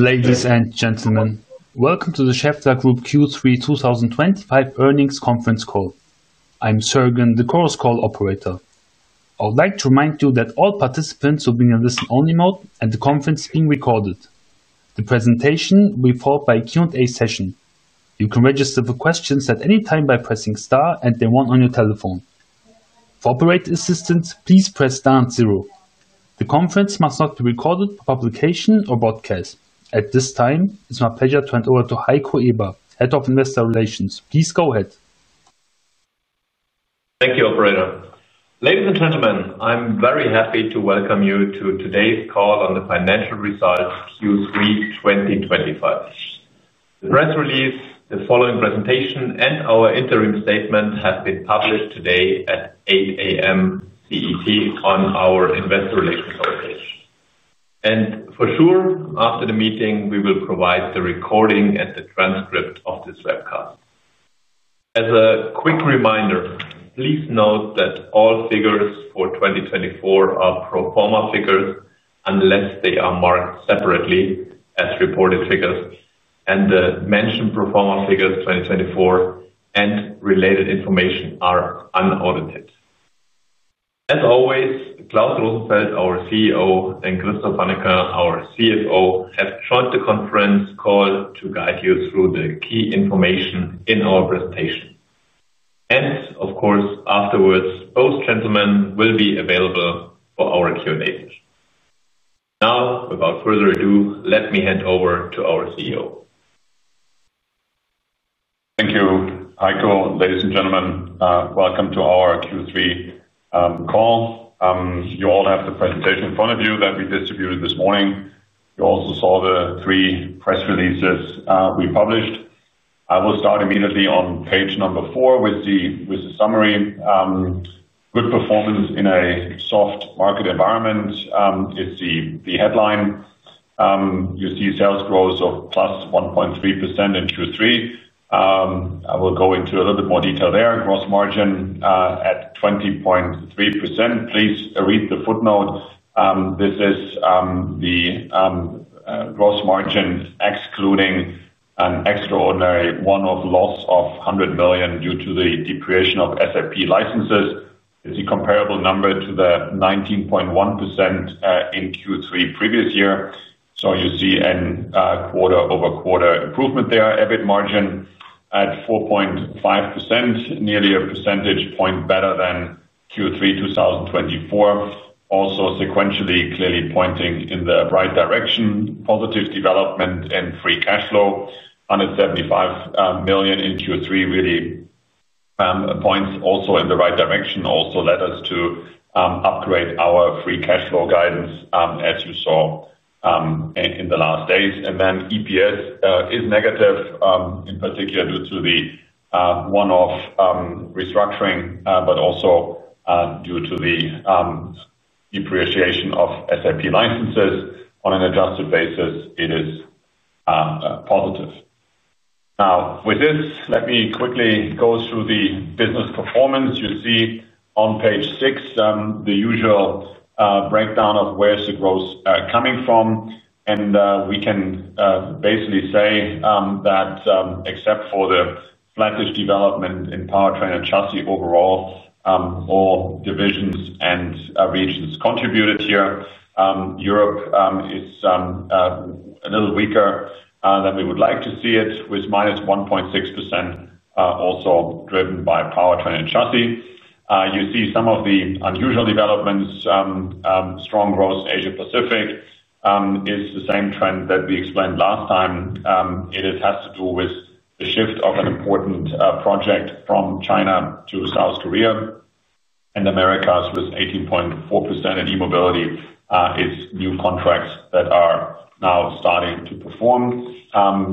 Ladies and gentlemen, welcome to the Schaeffler Group Q3 2025 Earnings Conference Call. I'm Sörgen, the Chorus Call operator. I would like to remind you that all participants will be in a listen-only mode, and the conference is being recorded. The presentation will be followed by a Q&A session. You can register for questions at any time by pressing star and the one on your telephone. For operator assistance, please press star and zero. The conference must not be recorded for publication or broadcast. At this time, it's my pleasure to hand over to Heiko Eber, Head of Investor Relations. Please go ahead. Thank you, operator. Ladies and gentlemen, I'm very happy to welcome you to today's call on the financial results Q3 2025. The press release, the following presentation, and our interim statement have been published today at 8:00 A.M. CET on our Investor Relations webpage. For sure, after the meeting, we will provide the recording and the transcript of this webcast. As a quick reminder, please note that all figures for 2024 are pro forma figures unless they are marked separately as reported figures, and the mentioned pro forma figures 2024 and related information are unaudited. As always, Klaus Rosenfeld, our CEO, and Christophe Hannequin, our CFO, have joined the conference call to guide you through the key information in our presentation. Of course, afterwards, both gentlemen will be available for our Q&A session. Now, without further ado, let me hand over to our CEO. Thank you, Heiko. Ladies and gentlemen, welcome to our Q3 call. You all have the presentation in front of you that we distributed this morning. You also saw the three press releases we published. I will start immediately on page number four with the summary. Good performance in a soft market environment is the headline. You see sales growth of +1.3% in Q3. I will go into a little bit more detail there. Gross margin at 20.3%. Please read the footnote. This is the gross margin excluding an extraordinary one-off loss of 100 million due to the depreciation of SAP licenses. It is a comparable number to the 19.1% in Q3 previous year. You see a quarter-over-quarter improvement there. EBIT margin at 4.5%, nearly a percentage point better than Q3 2024. Also sequentially clearly pointing in the right direction. Positive development in free cash flow. 175 million in Q3 really points also in the right direction. Also led us to upgrade our free cash flow guidance, as you saw in the last days. EPS is negative, in particular due to the one-off restructuring, but also due to the depreciation of SAP licenses. On an adjusted basis, it is positive. Now, with this, let me quickly go through the business performance. You see on page six the usual breakdown of where's the growth coming from. We can basically say that except for the slanted development in Powertrain & Chassis overall, all divisions and regions contributed here. Europe is a little weaker than we would like to see it, with -1.6%. Also driven by Powertrain & Chassis. You see some of the unusual developments. Strong growth, Asia-Pacific is the same trend that we explained last time. It has to do with the shift of an important project from China to South Korea. America with 18.4% in E-Mobility, it is new contracts that are now starting to perform.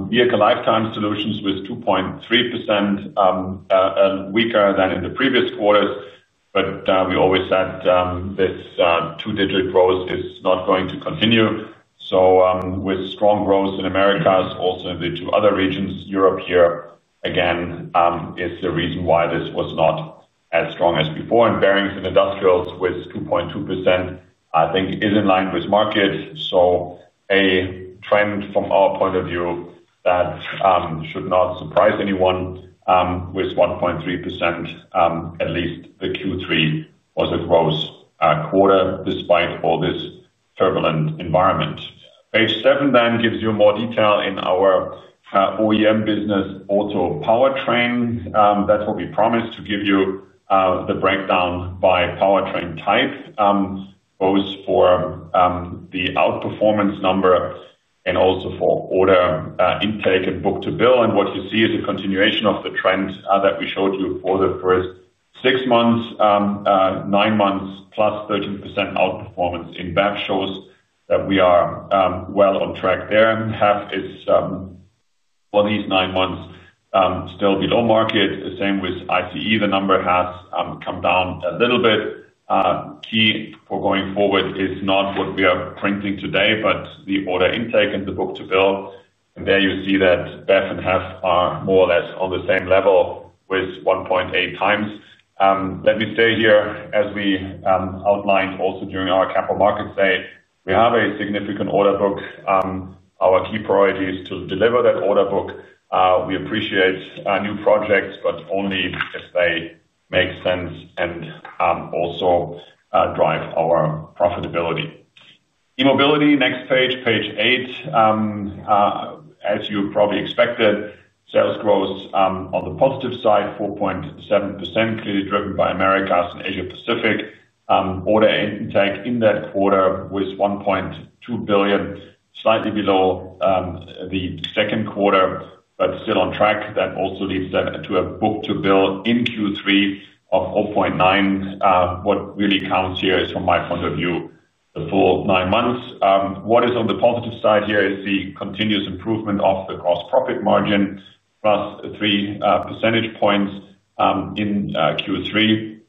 Vehicle Lifetime Solutions with 2.3%. Weaker than in the previous quarters. We always said this two-digit growth is not going to continue. With strong growth in America, also in the two other regions, Europe here again is the reason why this was not as strong as before. Bearings & Industrial Solutions with 2.2%, I think, is in line with market. A trend from our point of view that should not surprise anyone. With 1.3%, at least the Q3 was a gross quarter despite all this turbulent environment. Page seven then gives you more detail in our OEM business, auto Powertrain. That is what we promised to give you, the breakdown by Powertrain type, both for the outperformance number and also for order intake and book to bill. What you see is a continuation of the trend that we showed you for the first six months. Nine months, +13% outperformance in BAV shows that we are well on track there. HAV is, for these nine months, still below market. The same with ICE. The number has come down a little bit. Key for going forward is not what we are printing today, but the order intake and the book to bill. There you see that BAV and HAV are more or less on the same level with 1.8 times. Let me stay here. As we outlined also during our Capital Markets Day, we have a significant order book. Our key priority is to deliver that order book. We appreciate new projects, but only if they make sense and also drive our profitability. E-Mobility, next page, page eight. As you probably expected, sales growth on the positive side, 4.7%, clearly driven by Americas and Asia-Pacific. Order intake in that quarter was 1.2 billion, slightly below the second quarter, but still on track. That also leads to a book to bill in Q3 of 0.9. What really counts here is, from my point of view, the full nine months. What is on the positive side here is the continuous improvement of the gross profit margin, 3+ percentage points in Q3.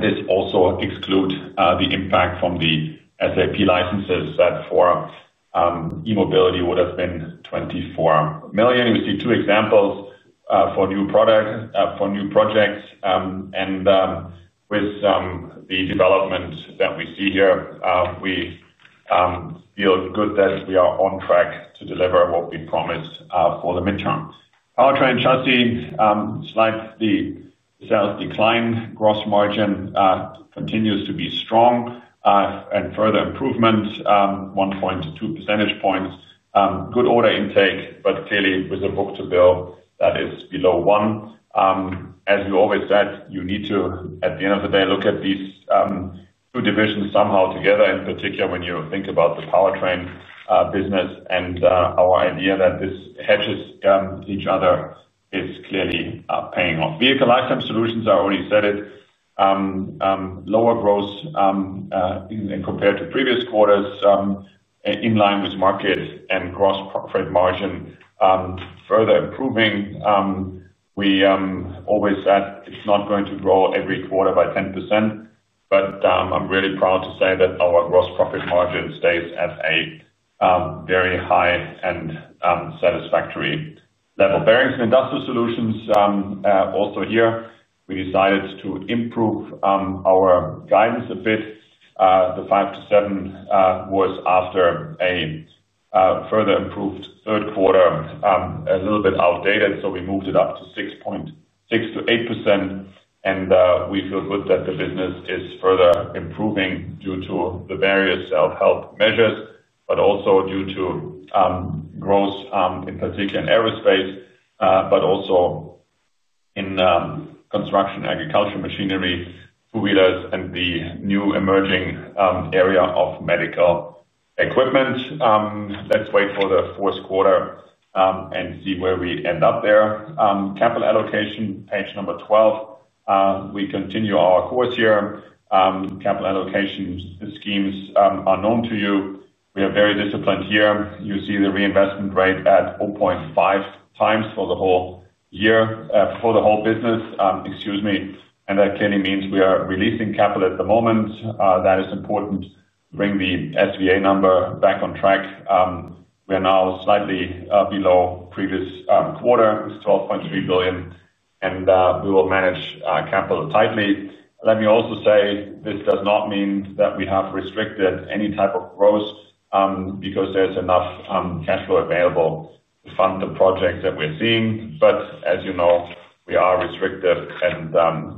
This also excludes the impact from the SAP licenses that for E-Mobility would have been 24 million. You see two examples for new projects. With the development that we see here, we feel good that we are on track to deliver what we promised for the midterm. Powertrain & Chassis, slightly sales decline. Gross margin continues to be strong and further improvement, 1.2 percentage points. Good order intake, but clearly with a book to bill that is below one. As we always said, you need to, at the end of the day, look at these two divisions somehow together, in particular when you think about the Powertrain business. Our idea that this hedges each other is clearly paying off. Vehicle Lifetime Solutions, I already said it. Lower growth compared to previous quarters, in line with market, and gross profit margin further improving. We always said it's not going to grow every quarter by 10%, but I'm really proud to say that our gross profit margin stays at a very high and satisfactory level. Bearings & Industrial Solutions, also here, we decided to improve our guidance a bit. The 5%-7% was after a further improved third quarter, a little bit outdated. We moved it up to 6.6%-8%. We feel good that the business is further improving due to the various self-help measures, but also due to growth in particular in aerospace, but also in construction, agriculture, machinery, two-wheelers, and the new emerging area of medical equipment. Let's wait for the fourth quarter and see where we end up there. Capital allocation, page number 12. We continue our course here. Capital allocation schemes are known to you. We are very disciplined here. You see the reinvestment rate at 0.5 times for the whole year, for the whole business. Excuse me. That clearly means we are releasing capital at the moment. That is important. Bring the SVA number back on track. We are now slightly below previous quarter, 12.3 billion. We will manage capital tightly. Let me also say this does not mean that we have restricted any type of growth because there is enough cash flow available to fund the projects that we are seeing. As you know, we are restrictive and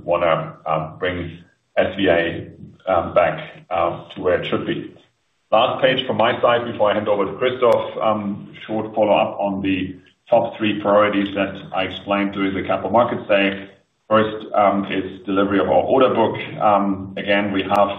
want to bring SVA back to where it should be. Last page from my side before I hand over to Christophe. Short follow-up on the top three priorities that I explained during the capital markets day. First is delivery of our order book. Again, we have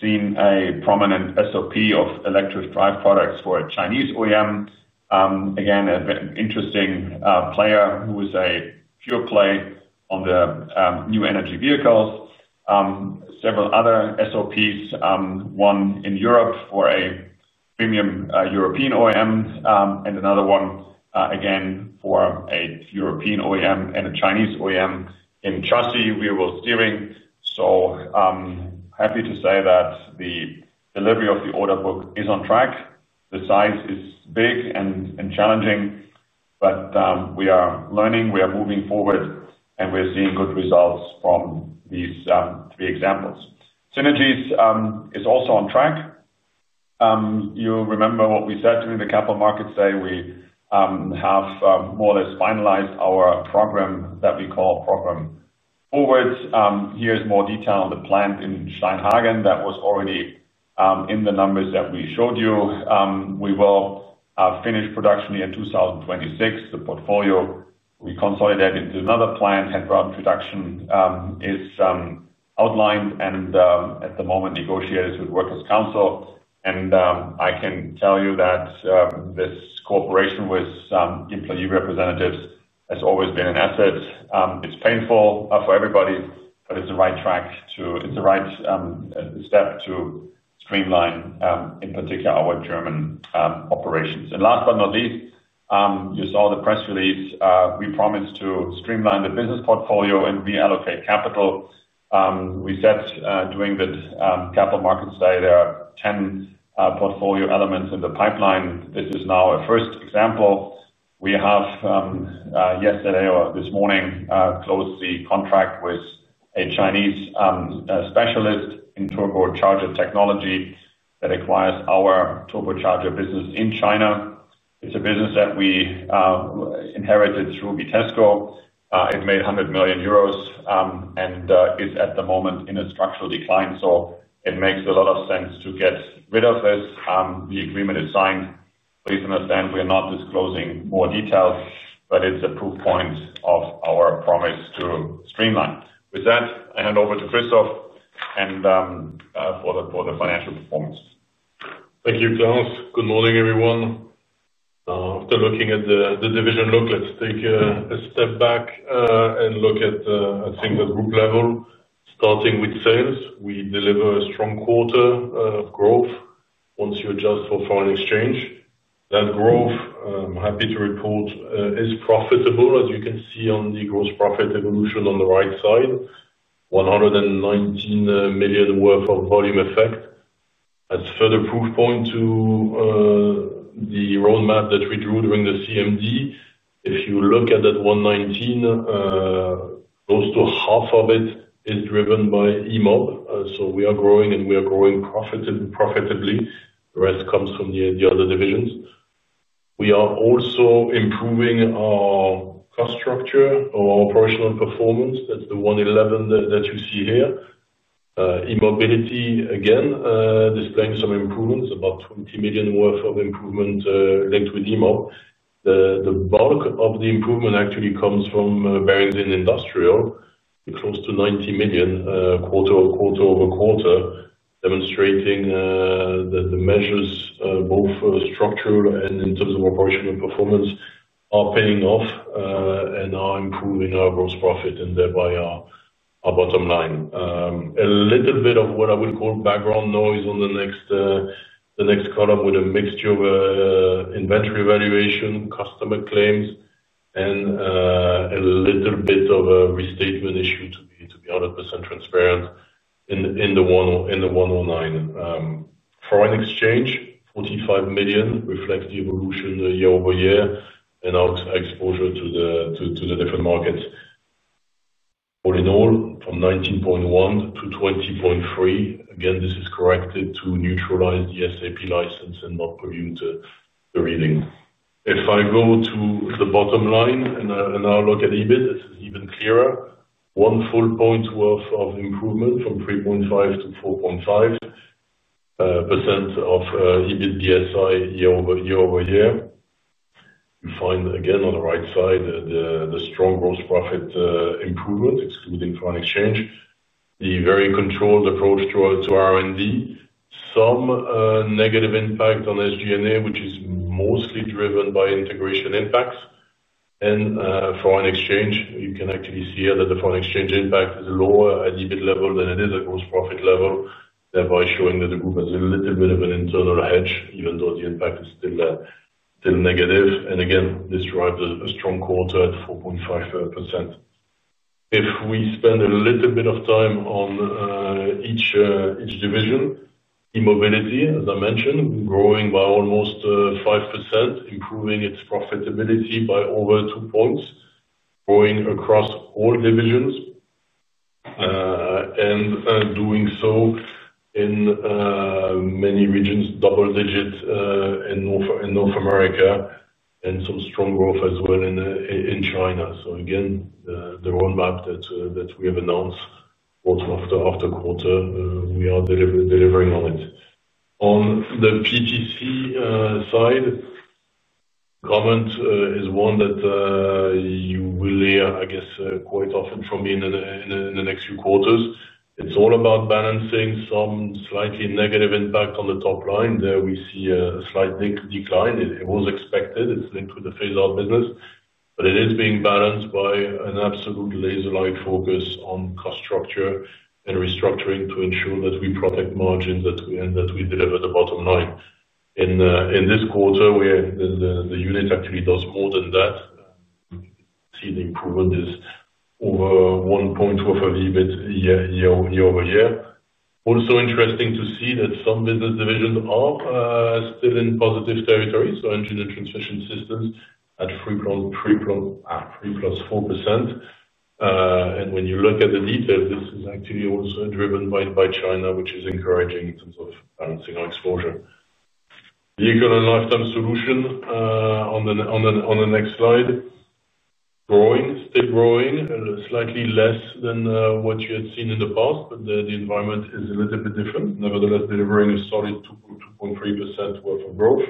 seen a prominent SOP of electric drive products for a Chinese OEM. Again, an interesting player who is a pure play on the new energy vehicles. Several other SOPs, one in Europe for a premium European OEM and another one again for a European OEM and a Chinese OEM in chassis, wheelwheel steering. Happy to say that the delivery of the order book is on track. The size is big and challenging, but we are learning. We are moving forward, and we are seeing good results from these three examples. Synergies is also on track. You remember what we said during the capital markets day. We have more or less finalized our program that we call program Forwards. Here is more detail on the plant in Steinhagen. That was already in the numbers that we showed you. We will finish production year 2026. The portfolio we consolidated into another plant headground production is outlined and at the moment negotiated with Workers' Council. I can tell you that this cooperation with employee representatives has always been an asset. It is painful for everybody, but it is the right track to it is the right step to streamline, in particular, our German operations. Last but not least. You saw the press release. We promised to streamline the business portfolio and reallocate capital. We said during the capital markets day there are 10 portfolio elements in the pipeline. This is now a first example. We have yesterday or this morning closed the contract with a Chinese specialist in turbocharger technology that acquires our turbocharger business in China. It is a business that we inherited through Vitesco. It made 100 million euros and is at the moment in a structural decline. It makes a lot of sense to get rid of this. The agreement is signed. Please understand we are not disclosing more details, but it is a proof point of our promise to streamline. With that, I hand over to Christophee for the financial performance. Thank you, Klaus. Good morning, everyone. After looking at the division look, let us take a step back and look at things at group level. Starting with sales, we deliver a strong quarter of growth once you adjust for foreign exchange. That growth, I am happy to report, is profitable, as you can see on the gross profit evolution on the right side. 119 million worth of volume effect. That is further proof point to the roadmap that we drew during the CMD. If you look at that 119 million, close to half of it is driven by E-Mob. So we are growing, and we are growing profitably. The rest comes from the other divisions. We are also improving our cost structure or our operational performance. That is the 111 million that you see here. E-Mobility, again, displaying some improvements, about 20 million worth of improvement linked with E-Mob. The bulk of the improvement actually comes from Bearings & Industrial, close to 90 million quarter over quarter, demonstrating that the measures, both structural and in terms of operational performance, are paying off and are improving our gross profit and thereby our bottom line. A little bit of what I would call background noise on the next column with a mixture of inventory evaluation, customer claims, and a little bit of a restatement issue, to be 100% transparent. In the 109 million. Foreign exchange, 45 million, reflects the evolution year-over-year and our exposure to the different markets. All in all, from 19.1% to 20.3%. Again, this is corrected to neutralize the SAP license and not pollute the reading. If I go to the bottom line and now look at EBIT, this is even clearer. One full point worth of improvement from 3.5%-4.5% of EBITDA year-over-year. You find, again, on the right side, the strong gross profit improvement, excluding foreign exchange. The very controlled approach to R&D. Some negative impact on SG&A, which is mostly driven by integration impacts. And foreign exchange, you can actually see here that the foreign exchange impact is lower at EBIT level than it is at gross profit level, thereby showing that the group has a little bit of an internal hedge, even though the impact is still negative. Again, this drives a strong quarter at 4.5%. If we spend a little bit of time on each division. E-Mobility, as I mentioned, growing by almost 5%, improving its profitability by over two percentage points, growing across all divisions, and doing so in many regions, double digit in North America, and some strong growth as well in China. Again, the roadmap that we have announced for the after quarter, we are delivering on it. On the Powertrain & Chassis side, comment is one that you will hear, I guess, quite often from me in the next few quarters. It is all about balancing some slightly negative impact on the top line. There we see a slight decline. It was expected. It is linked to the phase-out business. It is being balanced by an absolute laser-like focus on cost structure and restructuring to ensure that we protect margins and that we deliver the bottom line. In this quarter, the unit actually does more than that. You can see the improvement is over 1.25 EBIT year-over-year. Also interesting to see that some business divisions are still in positive territory. Engine and transmission systems at 3.4%. When you look at the details, this is actually also driven by China, which is encouraging in terms of balancing our exposure. Vehicle Lifetime Solutions on the next slide. Growing, still growing, slightly less than what you had seen in the past, but the environment is a little bit different. Nevertheless, delivering a solid 2.3% worth of growth,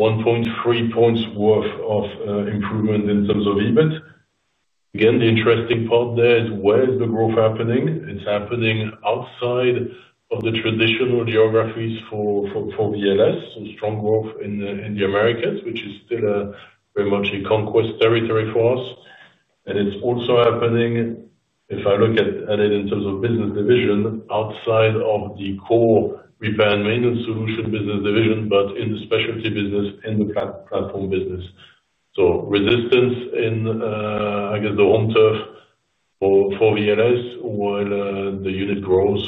1.3 percentage points worth of improvement in terms of EBIT. Again, the interesting part there is where is the growth happening? It is happening outside of the traditional geographies for VLS. Strong growth in the Americas, which is still very much a conquest territory for us. It is also happening, if I look at it in terms of business division, outside of the core repair and maintenance solution business division, but in the specialty business and the platform business. Resistance in, I guess, the home turf for VLS while the unit grows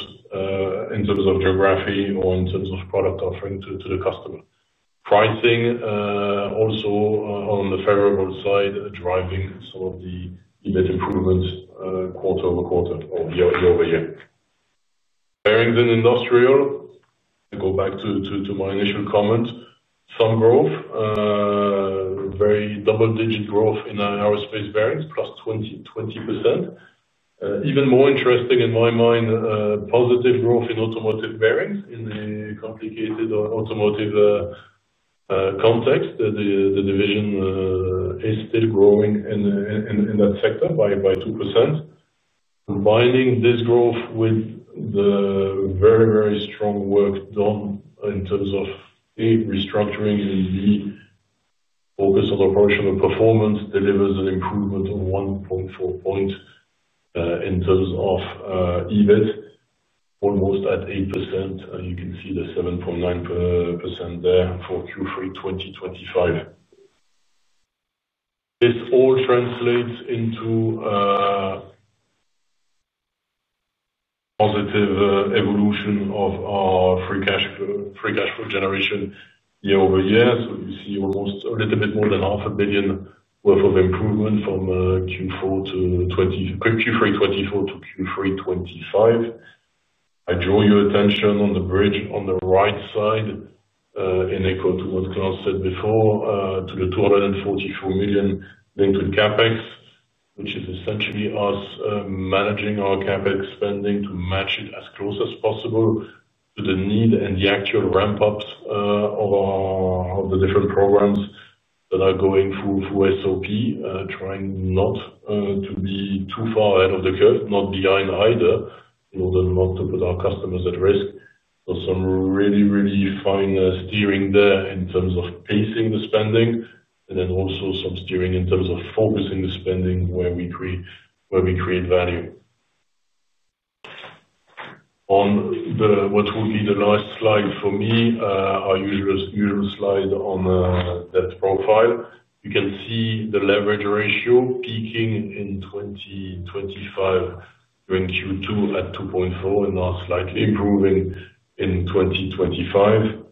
in terms of geography or in terms of product offering to the customer. Pricing also on the favorable side, driving some of the EBIT improvements quarter over quarter or year-over-year. Bearings and Industrial. I go back to my initial comment. Some growth. Very double-digit growth in aerospace bearings, plus 20%. Even more interesting in my mind, positive growth in automotive bearings in the complicated automotive context. The division is still growing in that sector by 2%. Combining this growth with the very, very strong work done in terms of, A, restructuring, and, B, focus on operational performance delivers an improvement of 1.4 percentage points in terms of EBIT, almost at 8%. You can see the 7.9% there for Q3 2025. This all translates into positive evolution of our free cash flow generation year-over-year. You see almost a little bit more than 500 million worth of improvement from Q3 2024 to Q3 2025. I draw your attention on the bridge on the right side. In echo to what Klaus said before, to the 244 million linked with CapEx, which is essentially us managing our CapEx spending to match it as close as possible to the need and the actual ramp-ups of the different programs that are going through SOP, trying not to be too far ahead of the curve, not behind either, in order not to put our customers at risk. Some really, really fine steering there in terms of pacing the spending, and then also some steering in terms of focusing the spending where we create value. On what will be the last slide for me, our usual slide on debt profile. You can see the leverage ratio peaking in 2025 during Q2 at 2.4 and now slightly improving in 2025.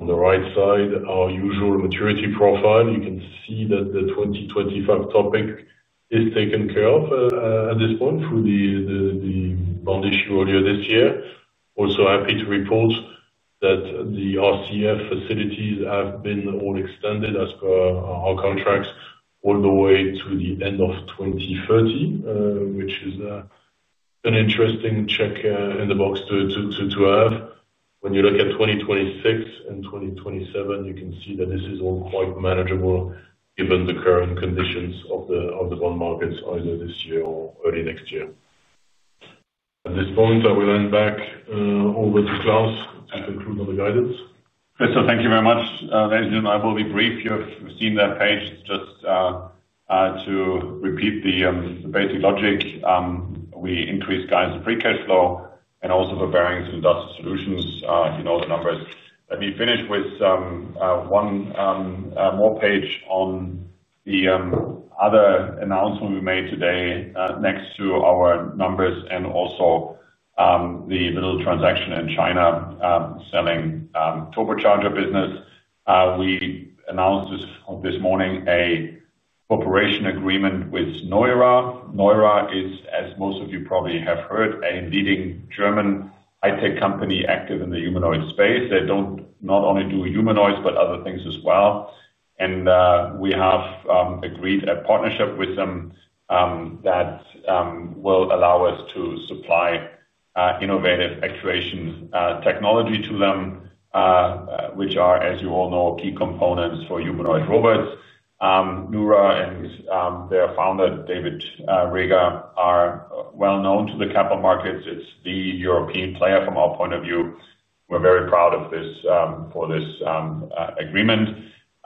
On the right side, our usual maturity profile. You can see that the 2025 topic is taken care of at this point through the bond issue earlier this year. Also happy to report that the RCF facilities have been all extended as per our contracts all the way to the end of 2030, which is an interesting check in the box to have. When you look at 2026 and 2027, you can see that this is all quite manageable given the current conditions of the bond markets either this year or early next year. At this point, I will hand back over to Klaus to conclude on the guidance. Christophe, thank you very much. Thank you. I will be brief. You have seen that page. It's just to repeat the basic logic. We increase guidance and free cash flow and also for Bearings & Industrial Solutions. You know the numbers. Let me finish with one more page on the other announcement we made today next to our numbers and also the little transaction in China selling turbocharger business. We announced this morning a corporation agreement with Neura. Neura is, as most of you probably have heard, a leading German high-tech company active in the humanoid space. They do not only do humanoids, but other things as well. And we have agreed a partnership with them that will allow us to supply innovative actuation technology to them, which are, as you all know, key components for humanoid robots. Neura and their founder, David Reger, are well known to the capital markets. It's the European player from our point of view. We're very proud of this agreement.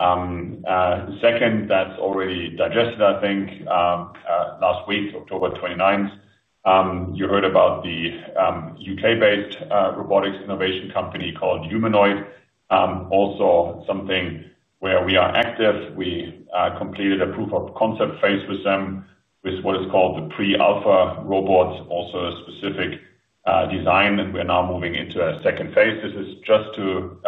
Second, that's already digested, I think. Last week, October 29th, you heard about the U.K.-based robotics innovation company called Humanoid. Also something where we are active. We completed a proof of concept phase with them with what is called the pre-alpha robots, also a specific design, and we're now moving into a second phase. This is just to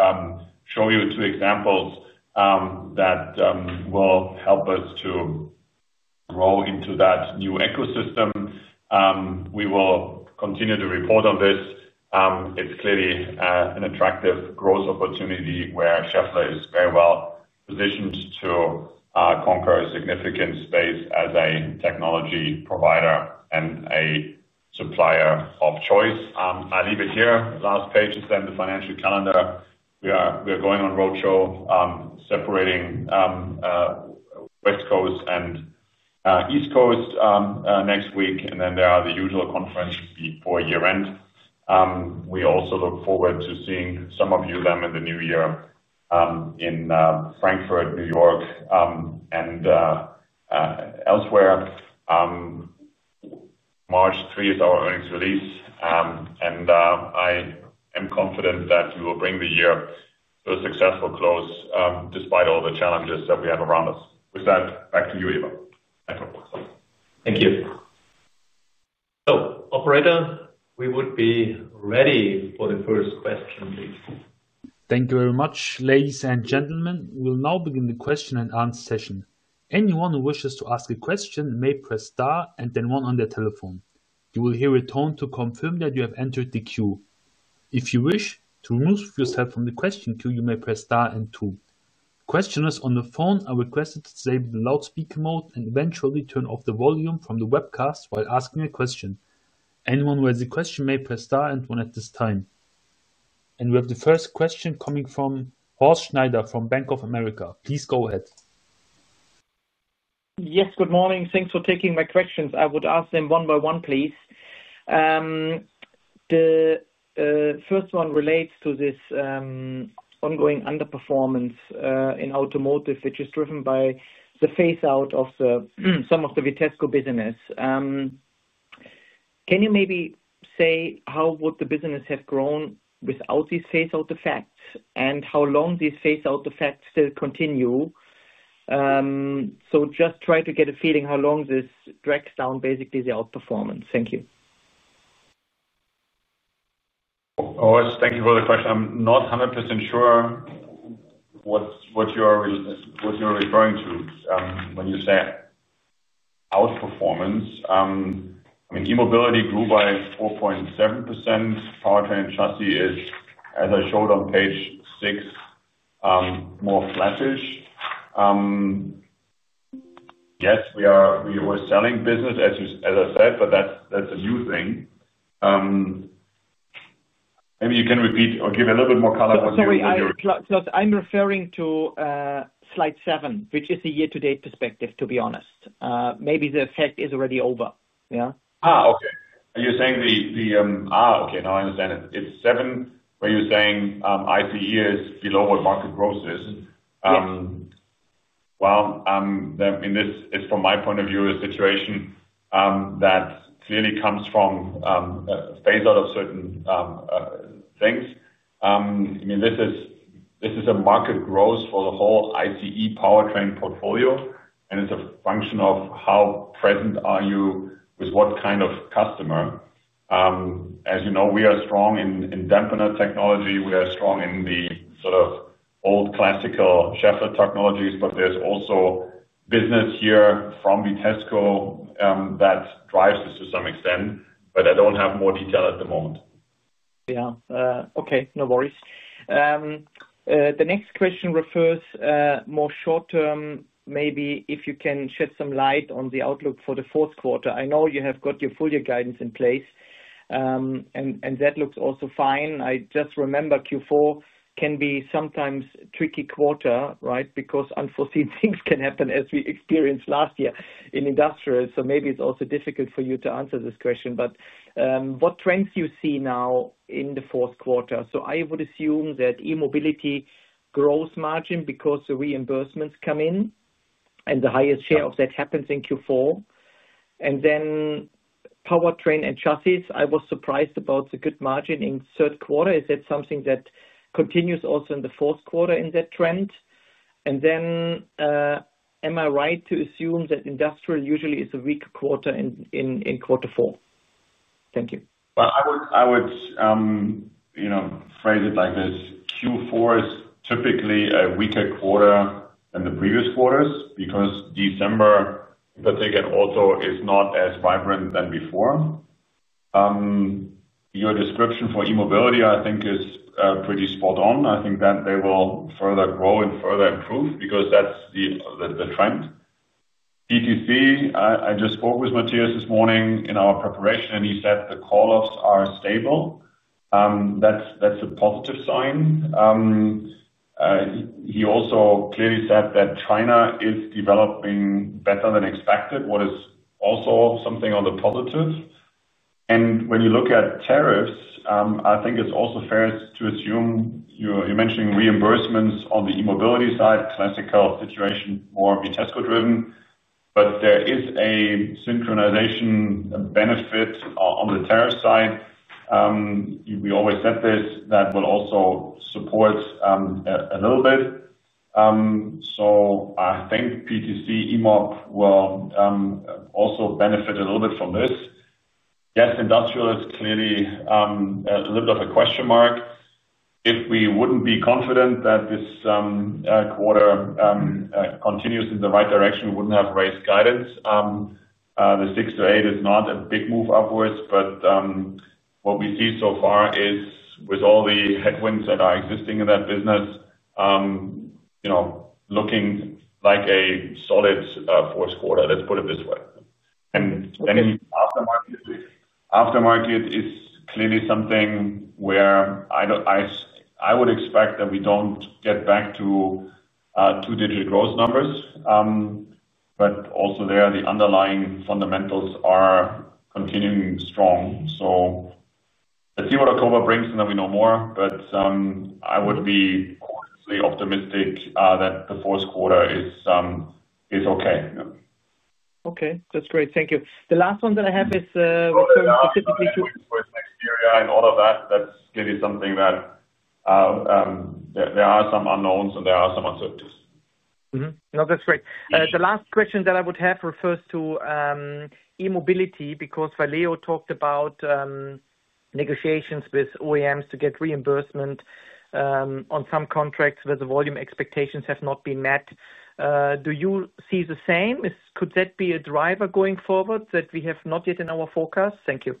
show you two examples that will help us to grow into that new ecosystem. We will continue to report on this. It's clearly an attractive growth opportunity where Schaeffler is very well positioned to conquer significant space as a technology provider and a supplier of choice. I'll leave it here. Last page is then the financial calendar. We are going on roadshow, separating West Coast and East Coast next week, and then there are the usual conference before year-end. We also look forward to seeing some of you then in the new year in Frankfurt, New York, and elsewhere. March 3 is our earnings release, and I am confident that we will bring the year to a successful close despite all the challenges that we have around us. With that, back to you, Eva. Thank you. Operator, we would be ready for the first question, please. Thank you very much. Ladies and gentlemen, we will now begin the question-and-answer session. Anyone who wishes to ask a question may press star and then one on their telephone. You will hear a tone to confirm that you have entered the queue. If you wish to remove yourself from the question queue, you may press star and two. Questioners on the phone are requested to disable the loudspeaker mode and eventually turn off the volume from the webcast while asking a question. Anyone who has a question may press star and one at this time. We have the first question coming from Horst Schneider from Bank of America. Please go ahead. Yes, good morning. Thanks for taking my questions. I would ask them one by one, please. The first one relates to this ongoing underperformance in automotive, which is driven by the phase-out of some of the Vitesco business. Can you maybe say how would the business have grown without these phase-out effects and how long these phase-out effects still continue? Just try to get a feeling how long this drags down, basically, the outperformance. Thank you. Horst, thank you for the question. I'm not 100% sure what you're referring to when you say outperformance. I mean, E-Mobility grew by 4.7%. Powertrain & Chassis is, as I showed on page six, more flattish. Yes, we are a selling business, as I said, but that's a new thing. Maybe you can repeat or give a little bit more color once you're easier. Sorry, Klaus, I'm referring to slide seven, which is the year-to-date perspective, to be honest. Maybe the effect is already over. Yeah? Okay. Are you saying the—ah, okay. Now I understand it. It's seven where you're saying ICE is below what market growth is. I mean, this is, from my point of view, a situation that clearly comes from a phase-out of certain things. I mean, this is a market growth for the whole ICE Powertrain portfolio, and it's a function of how present are you with what kind of customer. As you know, we are strong in dampener technology. We are strong in the sort of old classical Schaeffler technologies, but there's also business here from Vitesco that drives this to some extent, but I don't have more detail at the moment. Yeah. Okay. No worries. The next question refers more short-term, maybe if you can shed some light on the outlook for the fourth quarter. I know you have got your full year guidance in place. That looks also fine. I just remember Q4 can be sometimes a tricky quarter, right, because unforeseen things can happen, as we experienced last year in industrial. Maybe it's also difficult for you to answer this question, but what trends do you see now in the fourth quarter? I would assume that E-Mobility grows margin because the reimbursements come in. The highest share of that happens in Q4. Powertrain & Chassis, I was surprised about the good margin in the third quarter. Is that something that continues also in the fourth quarter in that trend? Am I right to assume that industrial usually is a weaker quarter in quarter four? Thank you. I would phrase it like this: Q4 is typically a weaker quarter than the previous quarters because December is not as vibrant as before. Your description for E-Mobility, I think, is pretty spot on. I think that they will further grow and further improve because that's the trend. Powertrain & Chassis, I just spoke with Matthias this morning in our preparation, and he said the call-offs are stable. That's a positive sign. He also clearly said that China is developing better than expected, which is also something on the positive. When you look at tariffs, I think it's also fair to assume—you're mentioning reimbursements on the E-Mobility side, classical situation, more Vitesco-driven, but there is a synchronization benefit on the tariff side. We always said this, that will also support a little bit. I think Powertrain & Chassis and E-Mobility will also benefit a little bit from this. Industrial is clearly a little bit of a question mark. If we wouldn't be confident that this quarter continues in the right direction, we wouldn't have raised guidance. The 6-8 is not a big move upwards, but what we see so far is, with all the headwinds that are existing in that business, it is looking like a solid fourth quarter, let's put it this way. Aftermarket is clearly something where I would expect that we don't get back to two-digit growth numbers, but also there, the underlying fundamentals are continuing strong. Let's see what October brings, and then we know more, but I would be honestly optimistic that the fourth quarter is okay. That's great. Thank you. The last one that I have is specifically for next year and all of that, that's clearly something that—there are some unknowns and there are some uncertainties. No, that's great. The last question that I would have refers to E-Mobility because Valeo talked about negotiations with OEMs to get reimbursement on some contracts where the volume expectations have not been met. Do you see the same? Could that be a driver going forward that we have not yet in our forecast? Thank you.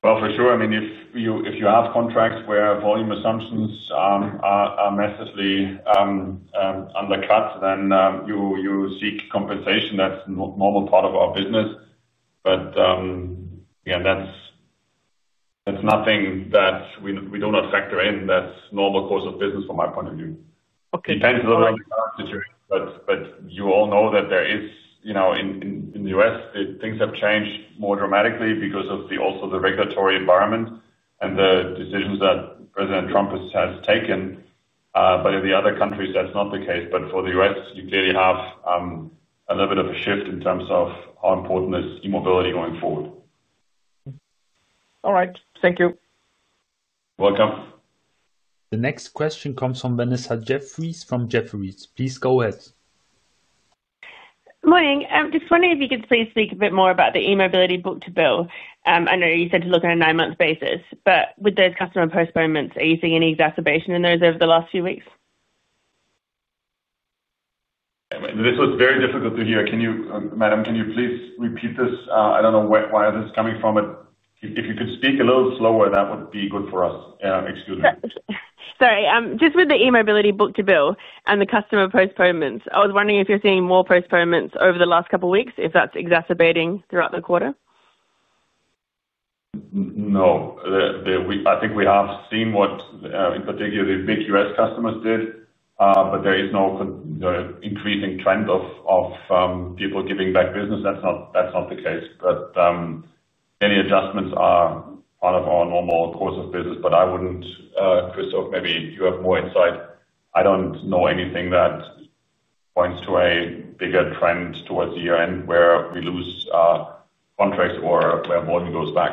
For sure. I mean, if you have contracts where volume assumptions are massively undercut, then you seek compensation. That's a normal part of our business. That's nothing that we do not factor in. That's normal course of business from my point of view. It depends a little bit on the current situation, but you all know that there is—in the U.S., things have changed more dramatically because of also the regulatory environment and the decisions that President Trump has taken. In the other countries, that's not the case. For the U.S., you clearly have a little bit of a shift in terms of how important E-Mobility is going forward. All right. Thank you. You're welcome. The next question comes from Vanessa Jeffriess from Jefferies. Please go ahead. Morning. I'm just wondering if you could please speak a bit more about the E-Mobility book to bill. I know you said to look at a nine-month basis, but with those customer postponements, are you seeing any exacerbation in those over the last few weeks? This was very difficult to hear. Madam, can you please repeat this? I don't know where this is coming from, but if you could speak a little slower, that would be good for us. Excuse me. Sorry. Just with the E-Mobility book to bill and the customer postponements, I was wondering if you're seeing more postponements over the last couple of weeks, if that's exacerbating throughout the quarter? No. I think we have seen what, in particular, the big U.S. customers did, but there is no increasing trend of people giving back business. That's not the case. Many adjustments are part of our normal course of business. I wouldn't—Christophee, maybe you have more insight. I don't know anything that points to a bigger trend towards the year-end where we lose contracts or where volume goes back.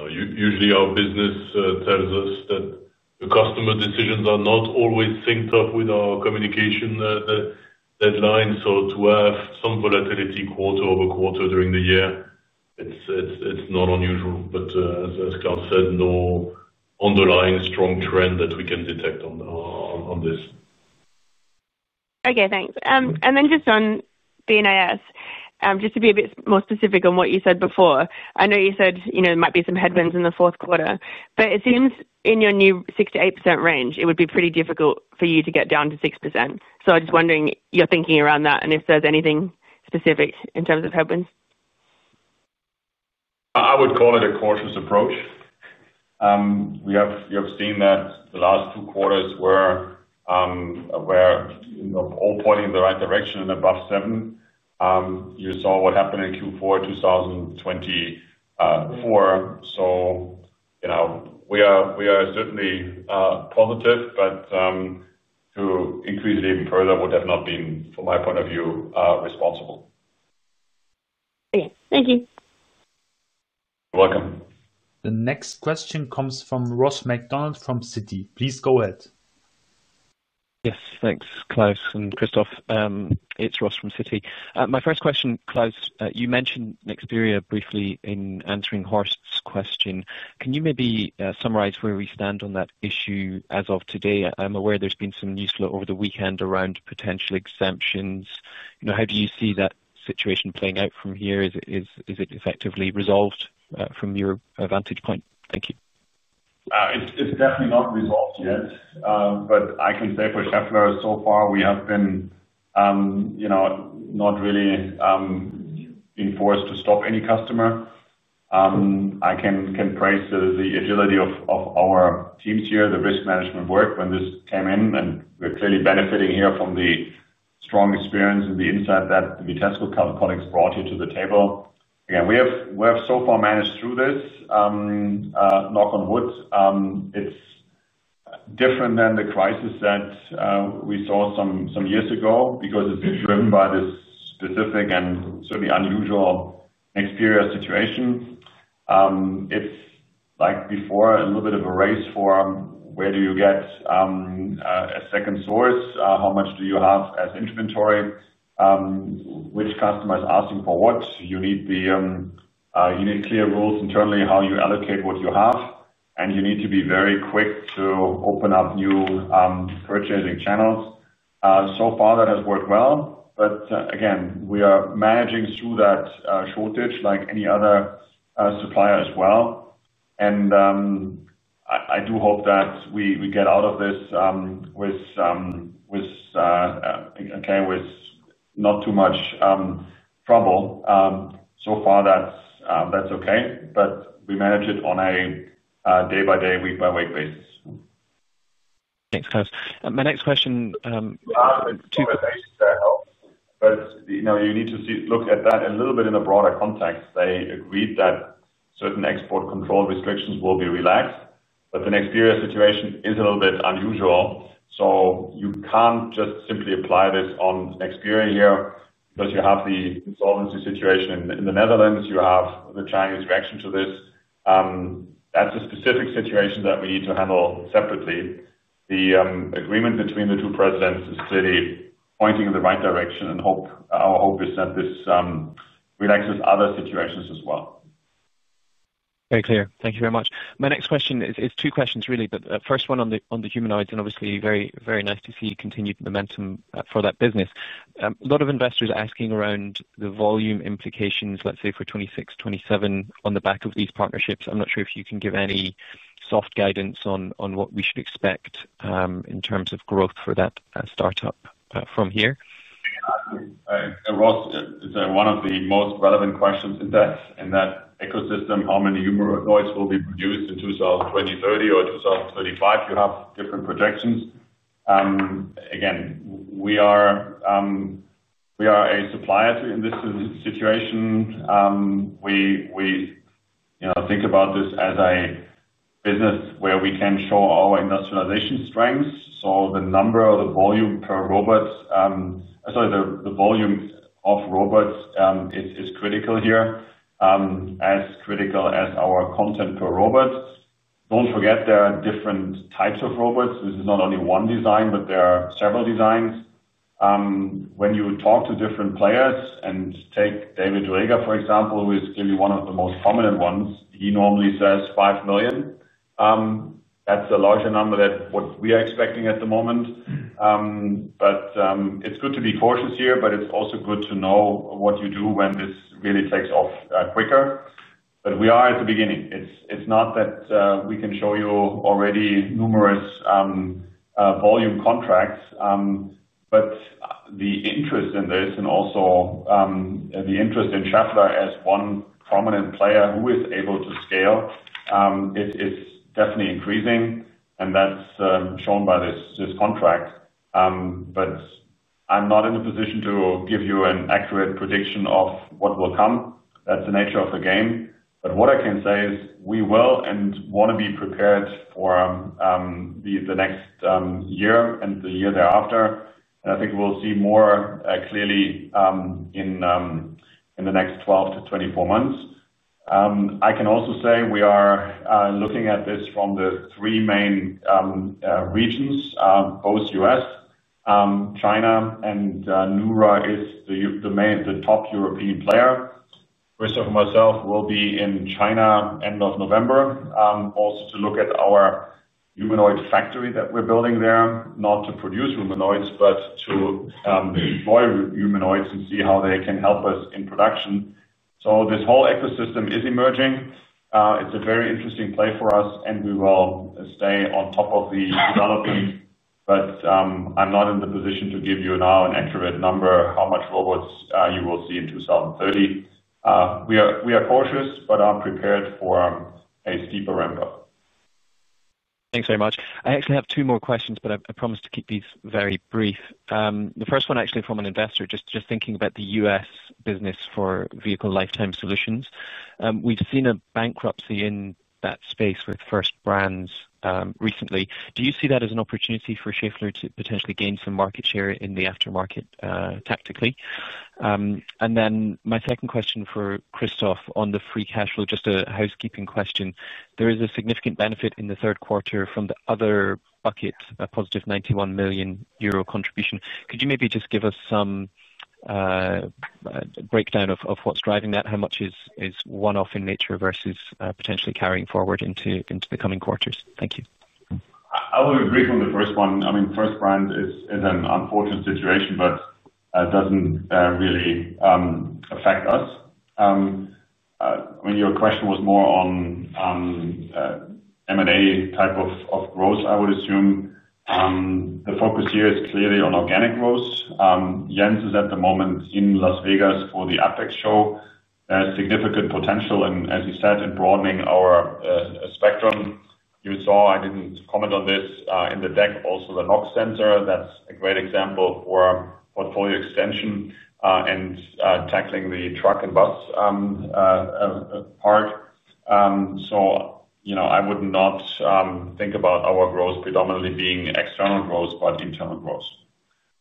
Usually, our business tells us that the customer decisions are not always synced up with our communication deadlines. To have some volatility quarter over quarter during the year, it's not unusual. As Klaus said, no underlying strong trend that we can detect on this. Okay. Thanks. And then just on BNIS, just to be a bit more specific on what you said before, I know you said there might be some headwinds in the fourth quarter, but it seems in your new 6%-8% range, it would be pretty difficult for you to get down to 6%. I'm just wondering your thinking around that and if there's anything specific in terms of headwinds. I would call it a cautious approach. You have seen that the last two quarters were all pointing in the right direction and above seven. You saw what happened in Q4 2024. We are certainly positive. To increase it even further would have not been, from my point of view, responsible. Okay. Thank you. You're welcome. The next question comes from Ross MacDonald from Citi. Please go ahead. Yes. Thanks, Klaus and Christophee. It's Ross from Citi. My first question, Klaus, you mentioned Nexperia briefly in answering Horst's question. Can you maybe summarize where we stand on that issue as of today? I'm aware there's been some news over the weekend around potential exemptions. How do you see that situation playing out from here? Is it effectively resolved from your vantage point? Thank you. It's definitely not resolved yet, but I can say for Schaeffler, so far, we have been not really been forced to stop any customer. I can praise the agility of our teams here, the risk management work when this came in, and we're clearly benefiting here from the strong experience and the insight that the Vitesco colleagues brought here to the table. Again, we have so far managed through this. Knock on wood. It's different than the crisis that we saw some years ago because it's driven by this specific and certainly unusual Nexperia situation. It's like before, a little bit of a race for where do you get a second source, how much do you have as inventory, which customer is asking for what. You need clear rules internally how you allocate what you have, and you need to be very quick to open up new purchasing channels. So far, that has worked well, but again, we are managing through that shortage like any other supplier as well. I do hope that we get out of this with not too much trouble. So far, that's okay, but we manage it on a day-by-day, week-by-week basis. Thanks, Klaus. My next question. You need to look at that a little bit in a broader context. They agreed that certain export control restrictions will be relaxed, but the Nexperia situation is a little bit unusual. You can't just simply apply this on Nexperia here because you have the insolvency situation in the Netherlands. You have the Chinese reaction to this. That's a specific situation that we need to handle separately. The agreement between the two presidents is clearly pointing in the right direction, and our hope is that this relaxes other situations as well. Very clear. Thank you very much. My next question is two questions, really, but the first one on the human rights, and obviously, very nice to see continued momentum for that business. A lot of investors are asking around the volume implications, let's say, for 2026, 2027 on the back of these partnerships. I'm not sure if you can give any soft guidance on what we should expect in terms of growth for that startup from here. Ross, it's one of the most relevant questions in that ecosystem, how many humanoid robots will be produced in 2020, 2030, or 2035. You have different projections. Again, we are a supplier in this situation. We think about this as a business where we can show our industrialization strengths. So the number or the volume per robot—sorry, the volume of robots—is critical here. As critical as our content per robot. Don't forget there are different types of robots. This is not only one design, but there are several designs. When you talk to different players and take David Reger, for example, who is clearly one of the most prominent ones, he normally says 5 million. That's a larger number than what we are expecting at the moment. It's good to be cautious here, but it's also good to know what you do when this really takes off quicker. We are at the beginning. It's not that we can show you already numerous volume contracts, but the interest in this and also the interest in Schaeffler as one prominent player who is able to scale. Is definitely increasing, and that's shown by this contract. I'm not in a position to give you an accurate prediction of what will come. That's the nature of the game. What I can say is we will and want to be prepared for the next year and the year thereafter. I think we'll see more clearly in the next 12-24 months. I can also say we are looking at this from the three main regions, both U.S., China, and Neura is the top European player. Christophee and myself will be in China end of November, also to look at our humanoid factory that we're building there, not to produce humanoids, but to employ humanoids and see how they can help us in production. This whole ecosystem is emerging. It's a very interesting play for us, and we will stay on top of the development. I'm not in the position to give you now an accurate number of how much robots you will see in 2030. We are cautious but are prepared for a steeper ramp-up. Thanks very much. I actually have two more questions, but I promised to keep these very brief. The first one, actually, from an investor, just thinking about the U.S. business for Vehicle Lifetime Solutions. We've seen a bankruptcy in that space with First Brands recently. Do you see that as an opportunity for Schaeffler to potentially gain some market share in the aftermarket tactically? My second question for Christophee on the free cash flow, just a housekeeping question. There is a significant benefit in the third quarter from the other bucket, a positive 91 million euro contribution. Could you maybe just give us some breakdown of what's driving that? How much is one-off in nature versus potentially carrying forward into the coming quarters? Thank you. I will agree from the first one. I mean, First Brands is an unfortunate situation, but it doesn't really affect us. I mean, your question was more on M&A type of growth, I would assume. The focus here is clearly on organic growth. Jens is at the moment in Las Vegas for the AAPEX show. There's significant potential, and as you said, in broadening our spectrum. You saw—I didn't comment on this in the deck—also the NOx center. That's a great example for portfolio extension and tackling the truck and bus part. I would not think about our growth predominantly being external growth but internal growth.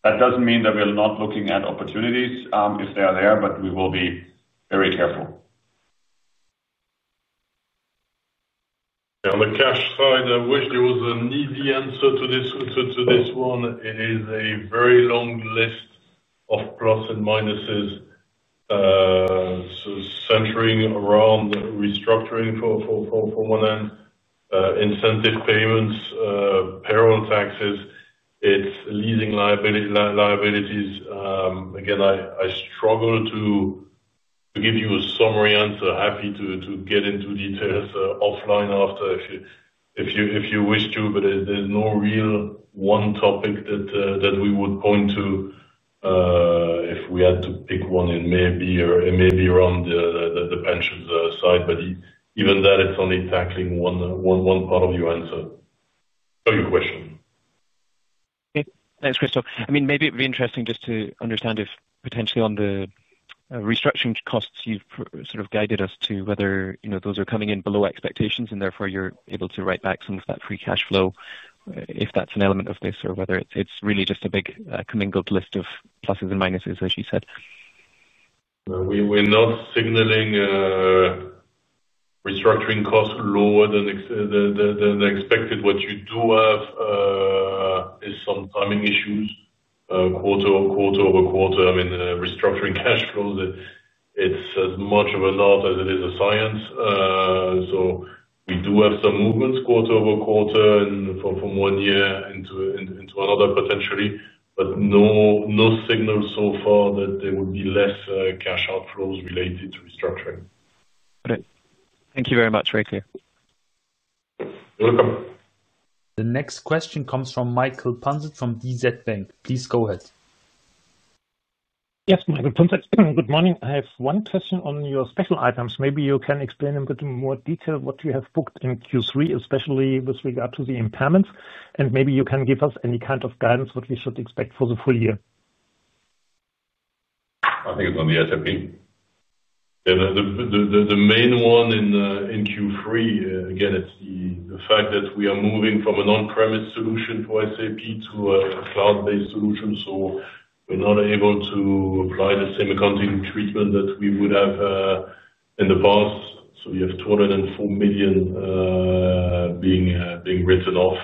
That doesn't mean that we're not looking at opportunities if they are there, but we will be very careful. On the cash side, I wish there was an easy answer to this one. It is a very long list of plus and minuses centering around restructuring for one end, incentive payments, payroll taxes, its leasing liabilities. Again, I struggle to give you a summary answer. Happy to get into details offline after if. You wish to, but there's no real one topic that we would point to. If we had to pick one, and maybe around the pensions side. But even that, it's only tackling one part of your answer. For your question. Thanks, Christophee. I mean, maybe it would be interesting just to understand if potentially on the restructuring costs you've sort of guided us to whether those are coming in below expectations and therefore you're able to write back some of that free cash flow if that's an element of this or whether it's really just a big commingled list of pluses and minuses, as you said. We're not signaling restructuring costs lower than the expected. What you do have is some timing issues quarter over quarter. I mean, restructuring cash flows, it's as much of a lot as it is a science. We do have some movements quarter over quarter from one year into another potentially, but no signal so far that there would be less cash outflows related to restructuring. Got it. Thank you very much. Very clear. You're welcome. The next question comes from Michael Punzet from DZ Bank. Please go ahead. Yes, Michael Punzet. Good morning. I have one question on your special items. Maybe you can explain in a bit more detail what you have booked in Q3, especially with regard to the impairments, and maybe you can give us any kind of guidance on what we should expect for the full year. I think it's on the SAP. The main one in Q3, again, it's the fact that we are moving from an on-premise solution to SAP to a cloud-based solution. We're not able to apply the same accounting treatment that we would have in the past. We have 204 million being written off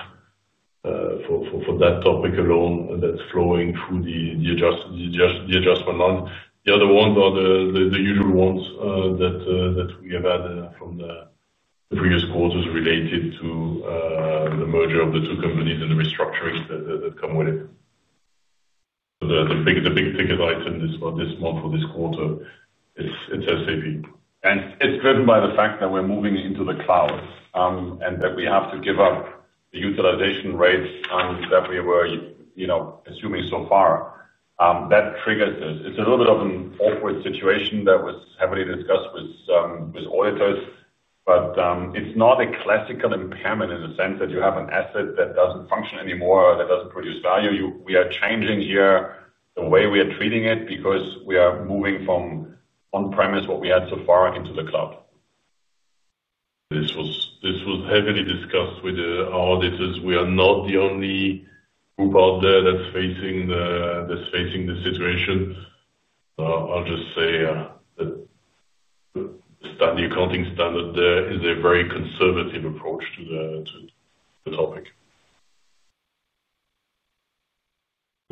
for that topic alone, and that's flowing through the adjustment line. The other ones are the usual ones that we have had from the previous quarters related to the merger of the two companies and the restructuring that come with it. The big ticket item this month or this quarter, it's SAP. It's driven by the fact that we're moving into the cloud and that we have to give up the utilization rates that we were assuming so far. That triggers this. It's a little bit of an awkward situation that was heavily discussed with auditors, but it's not a classical impairment in the sense that you have an asset that doesn't function anymore or that doesn't produce value. We are changing here the way we are treating it because we are moving from on-premise, what we had so far, into the cloud. This was heavily discussed with our auditors. We are not the only group out there that's facing the situation. I'll just say the accounting standard there is a very conservative approach to the topic.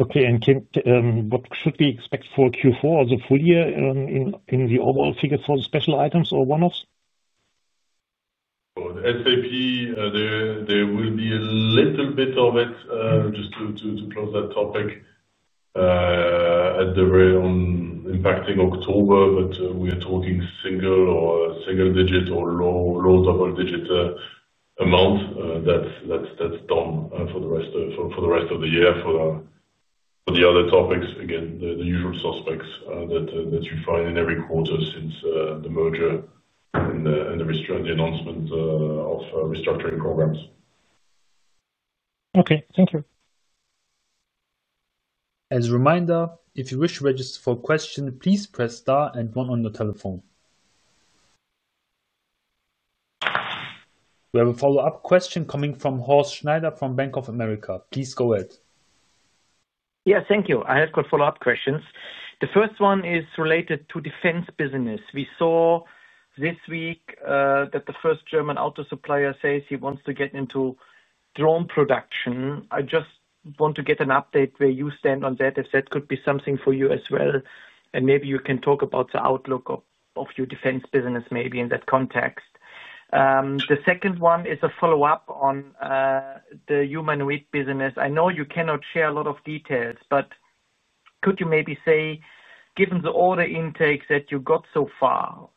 Okay. What should we expect for Q4 or the full year in the overall figure for the special items or one-offs? SAP. There will be a little bit of it just to close that topic. At the very impacting October, but we are talking single or single-digit or low double-digit amounts. That is done for the rest of the year. For the other topics, again, the usual suspects that you find in every quarter since the merger and the announcement of restructuring programs. Thank you. As a reminder, if you wish to register for a question, please press star and one on your telephone. We have a follow-up question coming from Horst Schneider from Bank of America. Please go ahead. Yes. Thank you. I have got follow-up questions. The first one is related to defense business. We saw this week that the first German auto supplier says he wants to get into drone production. I just want to get an update where you stand on that, if that could be something for you as well, and maybe you can talk about the outlook of your defense business maybe in that context. The second one is a follow-up on the humanoid business. I know you cannot share a lot of details, but could you maybe say, given the order intakes that you got so far,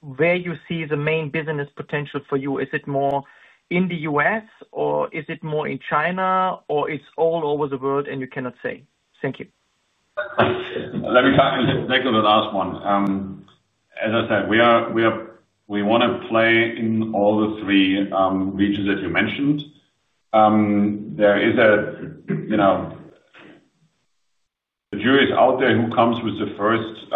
where you see the main business potential for you? Is it more in the U.S., or is it more in China, or is it all over the world, and you cannot say? Thank you. Let me take the last one. As I said, we want to play in all the three regions that you mentioned. There is a jury out there who comes with the first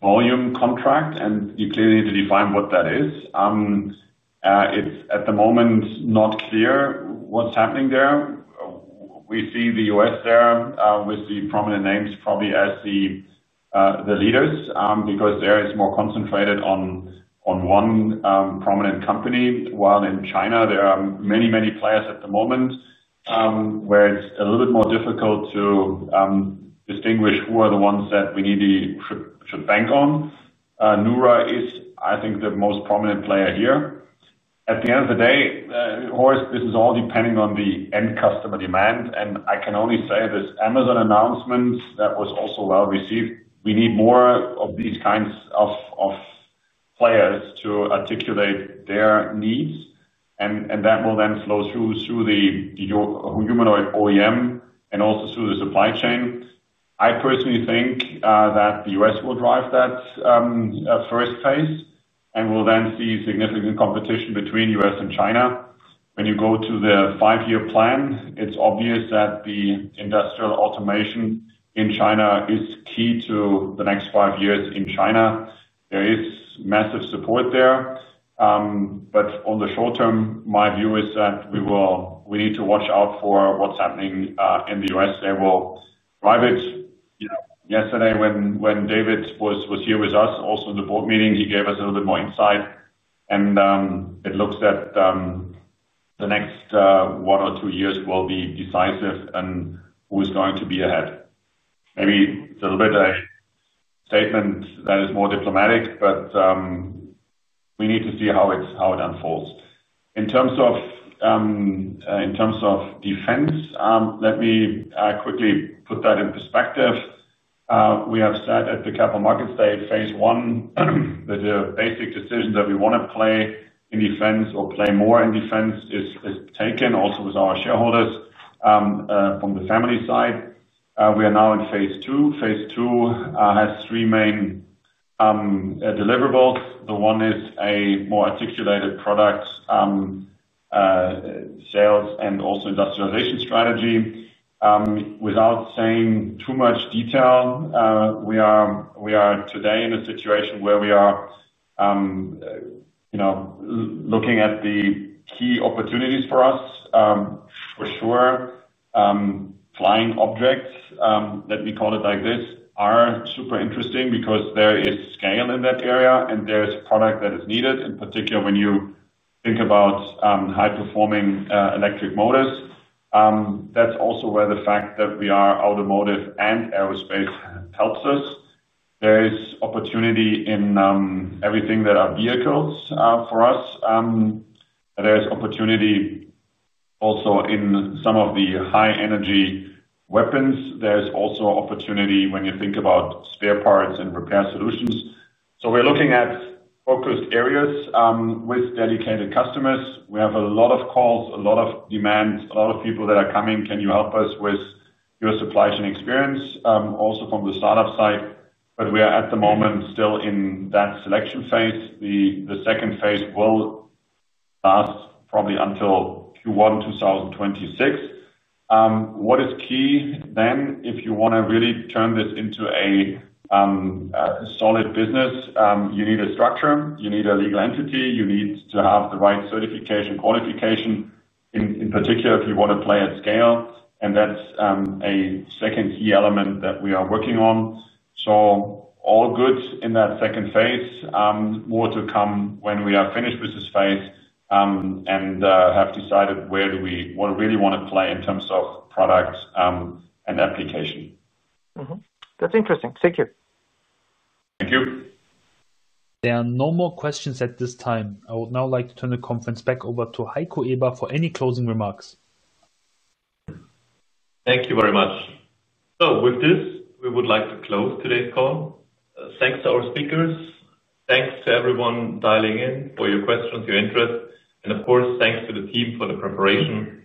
volume contract, and you clearly need to define what that is. It is at the moment not clear what is happening there. We see the U.S. there with the prominent names probably as the leaders because there it is more concentrated on one prominent company, while in China, there are many, many players at the moment where it is a little bit more difficult to distinguish who are the ones that we need to should bank on. Neura is, I think, the most prominent player here. At the end of the day, Horst, this is all depending on the end customer demand, and I can only say this Amazon announcement that was also well received. We need more of these kinds of players to articulate their needs, and that will then flow through the humanoid OEM and also through the supply chain. I personally think that the U.S. will drive that first phase and will then see significant competition between U.S. and China. When you go to the five-year plan, it is obvious that the industrial automation in China is key to the next five years in China. There is massive support there. On the short term, my view is that we need to watch out for what is happening in the U.S. They will drive it. Yesterday, when David was here with us, also in the board meeting, he gave us a little bit more insight, and it looks that the next one or two years will be decisive in who is going to be ahead. Maybe it's a little bit of a statement that is more diplomatic, but we need to see how it unfolds. In terms of defense, let me quickly put that in perspective. We have said at the Capital Markets Day phase one that the basic decision that we want to play in defense or play more in defense is taken also with our shareholders from the family side. We are now in phase two. Phase two has three main deliverables. The one is a more articulated product, sales, and also industrialization strategy. Without saying too much detail, we are today in a situation where we are looking at the key opportunities for us. For sure, flying objects, let me call it like this, are super interesting because there is scale in that area, and there's product that is needed. In particular, when you think about high-performing electric motors. That's also where the fact that we are automotive and aerospace helps us. There is opportunity in everything that are vehicles for us. There is opportunity also in some of the high-energy weapons. There's also opportunity when you think about spare parts and repair solutions. So we're looking at focused areas with dedicated customers. We have a lot of calls, a lot of demands, a lot of people that are coming, "Can you help us with your supply chain experience?" Also from the startup side, but we are at the moment still in that selection phase. The second phase will last probably until Q1 2026. What is key then? If you want to really turn this into a solid business, you need a structure. You need a legal entity. You need to have the right certification qualification, in particular if you want to play at scale. And that's a second key element that we are working on. All good in that second phase. More to come when we are finished with this phase and have decided where do we really want to play in terms of product and application. That's interesting. Thank you. Thank you. There are no more questions at this time. I would now like to turn the conference back over to Heiko Eber for any closing remarks. Thank you very much. With this, we would like to close today's call. Thanks to our speakers. Thanks to everyone dialing in for your questions, your interest, and of course, thanks to the team for the preparation.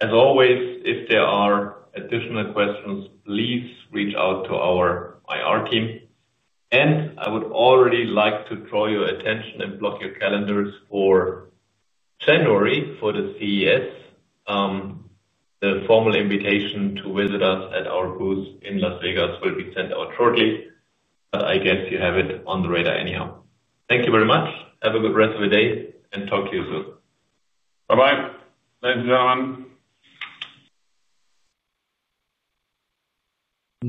As always, if there are additional questions, please reach out to our IR team. I would already like to draw your attention and block your calendars for January for the CES. The formal invitation to visit us at our booth in Las Vegas will be sent out shortly. But I guess you have it on the radar anyhow. Thank you very much. Have a good rest of your day and talk to you soon. Bye-bye. Thank you, John.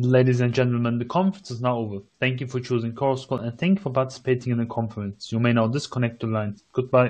Ladies and gentlemen, the conference is now over. Thank you for choosing Chorus Call, and thank you for participating in the conference. You may now disconnect your lines. Goodbye.